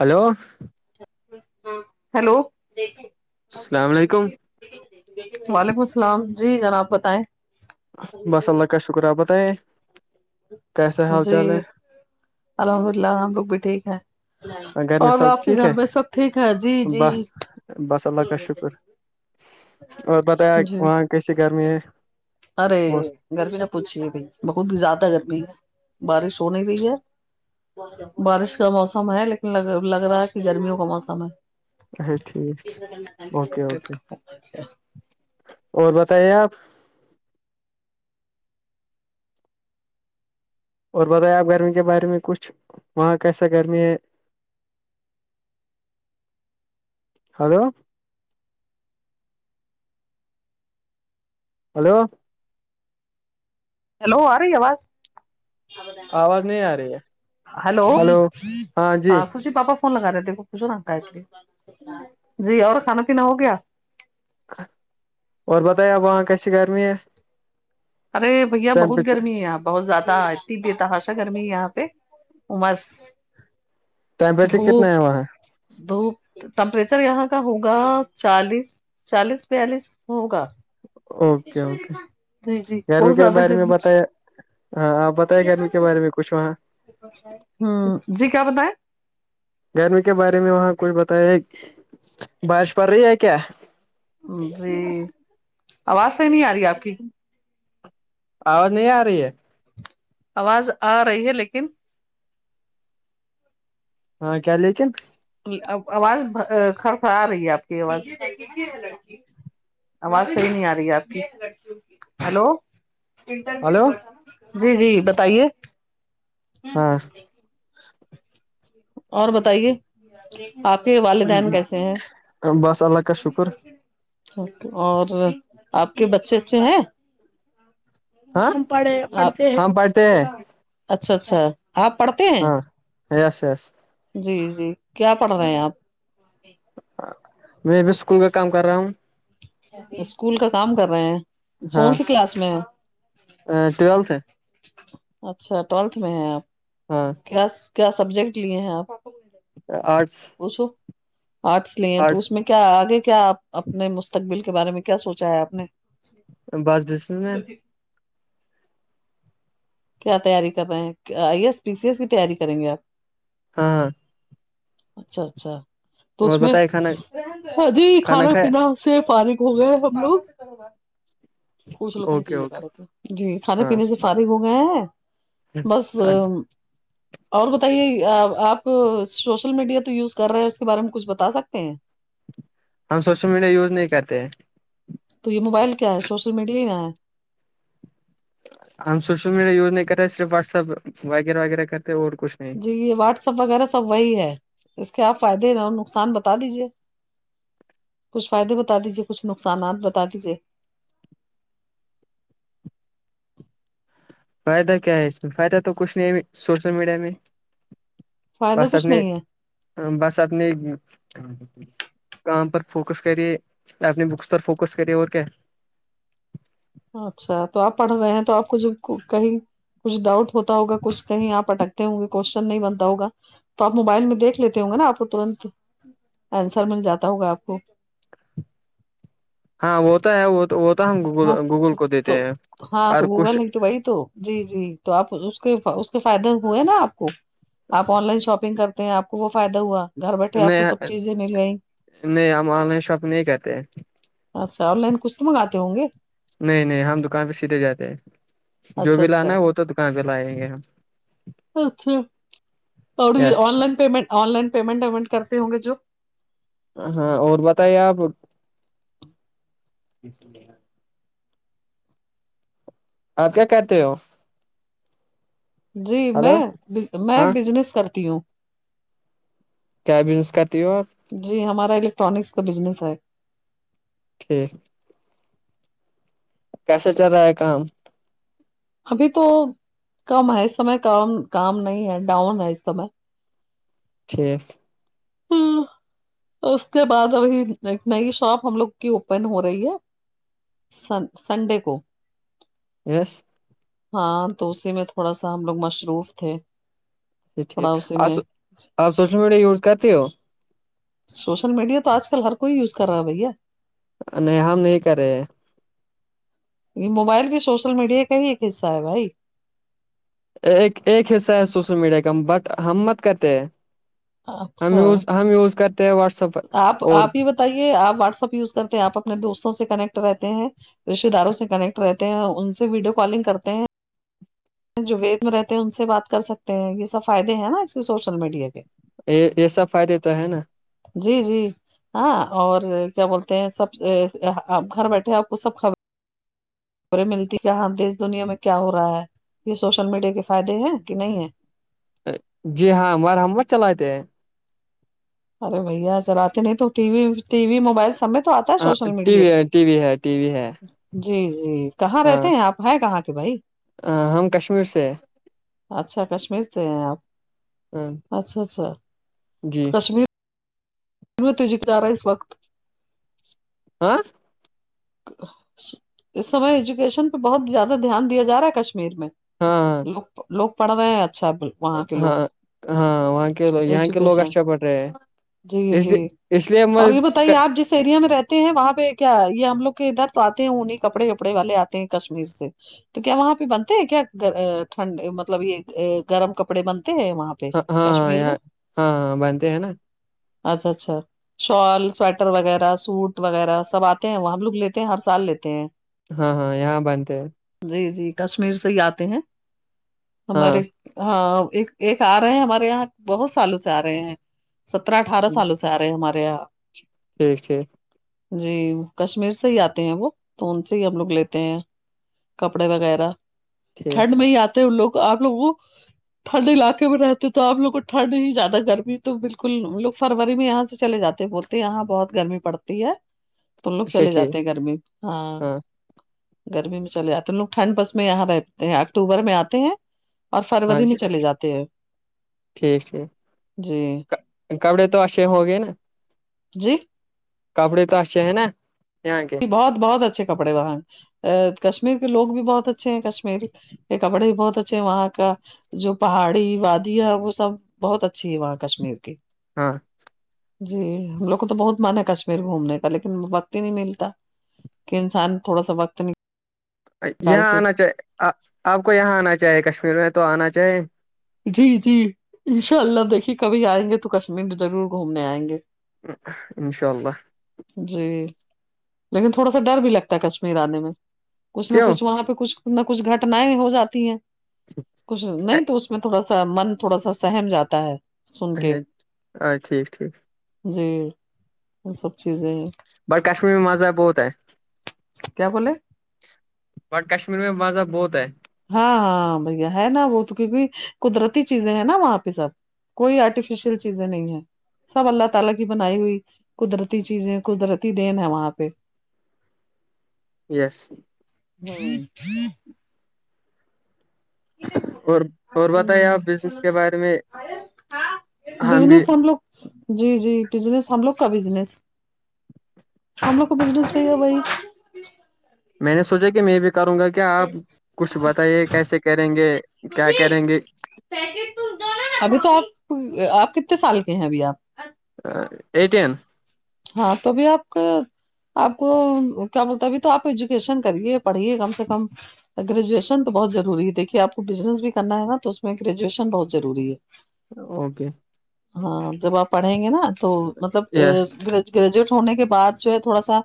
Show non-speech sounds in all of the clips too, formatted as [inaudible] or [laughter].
Hello hello دیک السلام علیکم وعلیکم السلام جی جناب بتائیں بس اللہ کا شکر آپ بتے جی الحمد ال للہ ہم لوگ بھی ٹھیک ہیں گھر میں اور سب آپ کے ٹھیک گھر ہے میں سب ٹھیک ہے جی جی بس بس اللہ کا شکر اور بتایا جی وہاں کیسی گرمی ہے ارے وہ گرمی نہ پوچھی ہے بھائی بہت زیادہ گرمی ہے بارش ہو نہیں رہئی ہے بارش کا موسم ہے لیکن لگ رہا ہے کہ گرمیوں کا موسم ہے اچا ٹھیک اوکے اوکے اچھا اور بتائیے آپ اور بتائیں آپ گرمی کے بارے میں کچھ وہاں کیسا گرمی ہے ہیلو ہلو ہیلو آ رہی آواز آواز نہیں آ رہی ہے ہلو ہاں ت پاپا فون لگا رہے تھے پچھو نا اکا ایکولی جی اور کھانا پیا ہو گیا اور بتائی اب وہاں کیسی گرمی ہے ارے بھیا بہت ٹیمپریچر گرمی ہے اپ بہت زیادہ اتنی بھی تحاشا گرمی یہاں پہ عمس ٹیمپریچر کتنا ہے وہاں دھوپ ٹمپریچر یہاں کا ہوگا چالیس چالیس بیالیس ہوگا اوکے اوکے جی جی گرمی بہت کے زیادہ بارے میں گرمی بتیا ہاں آپ بتے گرمی کے کے بارے میں کچھ وہاں ہوں جی کیا بتائائے گرمی کے بارے میں وہاں کچھ بتایا بارش پڑ رہی ہے کیا جی آواز صحیح نہیں آ رہی آپ کی آواز نہیں آ رہی ہے آواز آ رہی ہے لیکن ہاں کیا لیکن آواز کھڑ خڑا آ رہی ہے آپ کی آواز آواز صحیح نہیں آ رہی ہے آپ کی ہلو انٹرویو ہلو ہوا تھا جی جی بتائیے ہاں اور بتائیے آپ کے والدین کیسے ہیں بس اللہ کا شکر ک اور آپ کے بچے اچھے ہیں ہاں پڑھ آپ پڑھتے ہم پڑھتے اچھا اچھا آپ پڑھتے ہیں ہاں یس یس جی جی کیا پڑھ رہے ہیں آپ میں بھی اسکول کا کام کر رہا ہوں اسکول کا کام کر رہے ہیں ہاں کون سی کلاس میں ہے ٹویلتھ ہے اچھا ٹویلتھ میں ہیں آپ ہاں کیا کیا سبجیکٹ لیے ہیں آپ آرٹس وہ سو آرٹس لے ہیں تو آرٹس اس میں کیا آگے کیاپ اپنے مستقبل کے بارے میں کیا سوچا ہے آپ نے بس بزنس مین کیا تیاری کر رہے ہیں I S P C S کی تیاری کریں گے آپ ہاں ہاں اچھا اچھا تو اور اس میں بتائے کھانا جی کھانا پینا سے فارغ ہو گئے ہم لوگ ہو پوچھ لو اوکے کہ بتا اوکے رہے جی کھانے ہاں پینے سے فارغ ہو گیا ہیں بس [unintelligible] اور بتائیے آپ سوشل میڈیا تو یوز کر رہے ہیں اس کے بارے میں کچھ بتا سکتے ہیں ہم سوشل میڈیا یوز نہیں کرتے ہیں تو یہ موبائل کیا ہےوشل میڈیا ہی ن ہے ہم سوشل میڈیا یوز نہیں کر رہے صرف واٹس ایپ وغیرہ وغیرہ کرتے اور کچھ نہیں جی یہ واٹسپ وغیرہ سب وہی ہے اس کے آپ فائدے نہ نقصان بتا دیجے کچھ فائدے بتا دیجیے کچھ نقصانات بتا دیجیے فائدہ کیا ہے اس میں فائدہ تو کچھ نہیں ہے سوشل میڈیا میں فائدہ بس آپ کچھ نے نہیں ہے بس آپ نے کام پر فوکس کرے اپنے بکس پر فوکس کرے اور کیا اچھا تو آپ پڑھ رہے ہیں تو آپ کو ج کہیں کچھ ڈاؤٹ ہوتا ہوگا کچھ کہیں آپ اٹکتے ہوں گے کوشچن نہیں بنتا ہوگا تو آپ موبائل میں دیکھ لیتے ہوں گے نا آپ کو ترنت آنسر مل جاتا ہوگا آپ کو ہاں وہ تو ہے وہ وہ تو ہم گوگل ہاں گوگل تو کو دیتے ہیں تو ہاں اور تو کچھ گوگل ہے تو وہی تو جی جی تو آپ اس کے اس کے فائدے ہوئے نا آپ کو آپ آن لائن شاپنگ کرتے ہیں آ کو وہ فائدہ ہوا گھر بیٹھے آپ کو سب نہیں چیزیں مل گئیں نہیں ہم آن لائن شاپگ نہیں کہتے ہیں اچھا آن لائن کچھ تو مگاتے ہوں گے نہیں نہیں ہم دکان پہ سیدھے جاتے ہیں جو اچھا بھی لانا اچھا ہے وہ تو کہاں پہ لائیں گے ہم اچھا اور yes online payment online payment ومنٹ کرتے ہوں گے جو ہاں اور بتائیے آپ آپ کیا کہتے ہو جی ہلو میں میں ہاں بزنس کرتی ہوں کیا بزنس کرتی اور جی ہمارا الیکٹرانکس کا بزنس ہے ٹھیک کیسے چل رہا ہے کام ابھی تو کم ہے اس سمے کام کام نہیں ہے ڈاؤن ہے اس سمے ف [unintelligible] تو اس کے بعد ابھی ایک نئی شاپ ہم لوگ کی اوپن ہو رہی ہے سن سنڈے کو س [unintelligible] ہاں تو اسی میں تھوڑا سا ہم لوگ مصروف تھے جا ٹھیک تھوڑا اسی آ میں آپ سوشل میڈیا یوز کرتے ہو سوشل میڈیا تو آج کل ہر کوئی یوز کر رہا بھیا نہیں ہم نہیں کر رہے یہ موبائل بھی سوشل میڈیا کا ہی ایک حصہ ہے بھائی ایک ایک حصہ ہے سوشل میڈیا کا بٹ ہم مت کرتے ہیں ہم اچھا یوز ہم یوز کرتے ہیں واٹسپ آپ آپ ہی بتائیے آپ واٹسپ یوز کرتے ہیں آپ اپنے دوستوں سے کنیکٹ رہتے ہیں رشتے داروں سے کنیکٹ رہتے ہیں ان سے ویڈیو کالنگ کرتے ہیں جو وید میں رہتے ہیں ان سے بات کر سکتے ہیں یہ سب فائدے ہیں نا اس کی سوشل میڈیا کے یہ یہ سب فائدے تو ہے نا جی جی ہاں اور کیا بولتے ہیں سب گھر بیٹھے آپ کو سب خبر خبریں ملتی کہاں د اس دنیا میں کیا ہو رہا ہے یہ سوشل میڈیا کے فائدے ہیں کہ نہیں ہے جی ہاں ہمار ہمت چلاتے ہیں ارے بھیا چلاتتے نہیں تو T V T V mobile سمیت تو آتا ہے ہاں، سوشل ٹی میڈیا وی پ ہے ٹی وی ہے ٹی وی ہے جی جی کہاں ہاں رہتے ہیں آپ ہیں کہاں کے بھائی ہم کشمیر سے اچھا کشمیر سے ہیں آپ ہیں اچھا اچھا جی کشمیر تیجق چارا اس وقت [unintelligible] آ [unintelligible] اس سمے ایجوکیشن پہ بہت زیادہ دھیان دیا جا رہا ہے کشمیر میں ہاں ہاں لوگ لوگ پڑھ رہے ہیں اچھاب ہاں ہاں وہاں کےو یہاں کے لوگ ایجوکیشن اچھا پڑ رہے ہیں جی اس جی لیے اس لیے میں اور یہ بتائیے آپ جس ایریا میں رہتے ہیں وہاں پہ کیا یہ ہم لوگ ادھر تو آتے ہیں انہیں کپڑے وپڑے والے آتے ہیں کشمیر سے تو کیا وہاں پہ بنتے ہیں کیا ٹھنڈ مطلب یہ گرم کپڑے بنتے ہیں وہاں پہ ہاں ہاں ہاں کشمیر میں یہاں ہاں ہاں بنتے ہیں نا اچھا اچھا شال سویٹر وغیرہ سوٹ وغیرہ سب آتے ہیں وہ ہم لوگ لی ہر سال لیتے ہیں ہاں ہاں یہاں بانتے ہیں جی جی کشمیر سے ہی آتے ہیں ہاں ہمارے ہاں ایک ایک آ رہے ہیں ہمارے یہاں بہت سالوں سے آ رہے ہیں سترہ اٹھارہ سالوں سے سارے مریا ٹھیک ٹھیک جی کشمیر سے ہی آتے ہیں وہ تو ان سے ہی ہم لوگ لیتے ہیں کپڑے وغیرہ ٹھیک ٹھنڈ میں ہی آتے ان لوگ آپ لوگ وہ ٹھنڈ علاقے میں رہتے تو آ لوگ کو ٹھڈ ہی زیادہ گرمی تو بالکل لوگ فروری میں یہاں سے چلے جاتے بولتے یہاں بہت گرمی پڑتی ہے تو لوگ اچھا چلے ٹھیک جاتے ہیں گرمی ہاں گرمی میں چلے جاتے ہیں لوگ ٹھنڈ بس میں یہاں رہتے ہیں اکتوبر میں آتے ہیں اور ہاں فروری میں جی چلے جاتے ہیں ٹھیک ٹھیک جی کپڑے تو اچھے ہو گئے نا جی کپڑے کاس چ ہے نا یہاں کے بہت بہت اچھے کپڑے وہن ا کشمیر کے لوگ بھی بہت اچھے ہیں کشمیر یہ کپڑے بھی بہت اچھے وہاں کا جو پہاڑی وادیاں وہ سب بہت اچھی ہے وہاں کشمیر کی ہاں جی ہم لوگ کو تو بہت مان ہے کشمیر گھومنے کا لیکن وقکتی نہیں ملتی کہ انسان تھوڑا سا وقت نہیں یہاں آنا چاہ آپ کو یہاں آنا چاہیے کشمیر میں تو آنا چاہے جی جی ان شاء اللہ دیکھیے کبھی آئیں گے تو کشمیر ضرور گھومنے آئیں گے انشاء اللہ جی لیکن تھوڑا سا ڈر بھی لگتا ہے کشمیر آنے میں کچھ نہ کیوں کچھ وہاں پہ کچھ کچھ گھٹنیں ہو جاتی ہیں کچھ نہیں تو اس میں تھوڑا س سا من تھوڑا سا سہم جاتا ہے سن کے ہ ٹھیک ٹھیک جی وہ سب چیزیں ہیں بٹ کشمیر میں مزہ بہت ہے کیا بولے م کشمیر میں مزہ بہت ہے ہاں ہاں بھیا ہے نا وہ تو کیونکہ قدرتی چیزیں ہیں نا وہاں پہ سب کوئی آرٹیفیشیل چیزیں نہیں ہے سب اللہ تعالی کی بنائی ہوئی قدرتی چیزیں قدرتی دین ہے وہاں پہ یس ہ اور اور بتائیے آپ بزنس کے بارے میں بجنس ہم لوگ جی جی بزنس ہم لوگ کا بزنس ہم لوگ کو بزنس چاہیے بھائی میں نے سوچا کہ میں بھی کروں گا کیا آپ کچھ بتائیے کیسے کریں گے کیا کریں گے ابھی تو آپ آپ کتنے سال کے ہیں ابھی آپ ایٹین ہاں توبھی آپ آپ کو کیا بولتا ابھی تو آپ ایجوکیشن کریے پڑھیے کم سے کم گریجویشن تو بہت ضروری ہے دیکھیے آپ کو بزنس بھی کرنا ہے نا تو اس میں گریجویشن بہت ضروری ہے اوکے ہاں جب آپ پڑھیں گے نا تو مطلب یس ا گریجویٹ ہونے کے بعد جو ہے تھوڑا سا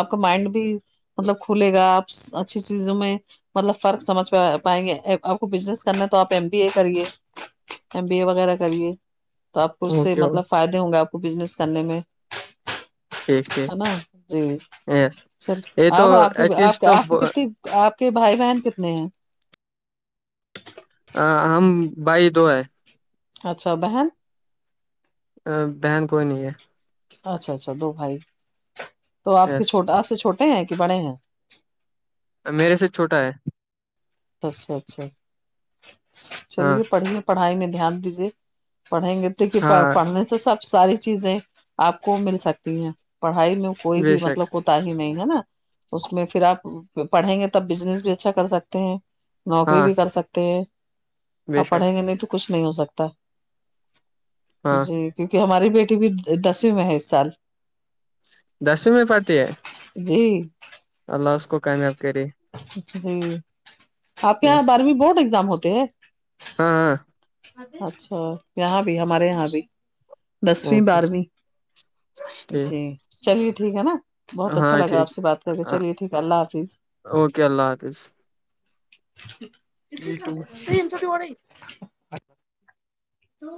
آپ کا مائنڈ بھی مطلب کھلے گا آپ اچھی چیزوں میں مطلب فرق سجھ پائیں گے آپ کو بزنس کرنا ہے تو آپ ایم بی ا کریے ایم بی اے وغیرہ کریے تو آپ کو اس سے اوکے مطلب اوکے فائدے ہوں گے آپ کو بزنس کرنے میں ٹھیک ٹھیک ہے نا جی یس چل یہ تو اور آپ کی ایج آپ کے تو آپ کی ب- کتنی آپ کے بھائی بہن کتنے ہیں ہ ہم بھائی دو ہے اچھا بن ا بہن کوئی نہیں ہے اچھا اچھا دو بھائی تو آپ ہے یس کےھ آپ سے چھوٹے ہیں کہ بڑے ہیں میرے سے چھوٹا ہے اچھا اچھا ہاں چلیے پڑھنے پڑھائی میں دھیان دیجے پڑھیں گے تو کہ ہاں پڑھنے سے سب ساری چیزیں آپ کو مل سکتی ہیں پڑھائی میں کوئی بے بھی مطلب شک ک پ ہی نہیں ہے نا اس میں پھر آپ پڑھیں گے تب بزنس بھی اچھا کر سکتے ہیں نوکری ہاں بھی کر سکتے ہیں ا بے شک پڑھیں گے نہیں تو کچھ نہیں ہو سکتا ہاں جی کیونکہ ہماری بیٹی بھی دسویں میں ہے اس سال دسمی پرڑتی ہے جی اللہ اس کو کامیاب کرے جی آپ کے یہاں یس بارہویں بورڈ ایگزام ہوتے ہیں ہاں ہاں اچھا یہاں بھی ہمارے یہاں بھی دسویں اوکے بارہویں ٹھیک جی چلیے ٹھیک ہے نا بہت اچھا ہاں لگا آپ ٹھیک سے بات کر کے آ، چلیے ٹھیک ہے اللہ حافظ اوکے اللہ حافظ کتے می ٹھاک ٹو۔ ہے ت کا تو